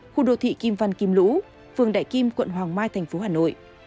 khu đô thị kim văn kim lũ phường đại kim quận hoàng mai tp hà nội